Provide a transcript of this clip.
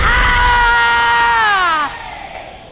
อ้าว